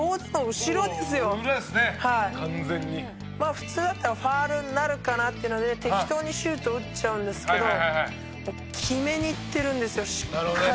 「普通だったらファウルになるかなっていうので適当にシュート打っちゃうんですけどもう決めにいっているんですよしっかり」